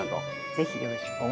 ぜひよろしく。